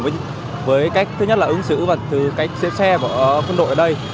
với cách thứ nhất là ứng xử và cách xếp xe của quân đội ở đây